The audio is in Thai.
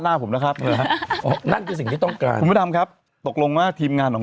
นะครับนั่นคือสิ่งที่ต้องการให้ทำครับตกลงว่าทีมงานของ